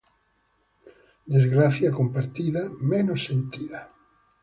Desgracia compartida, menos sentida.